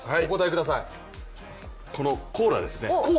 このコーラですね。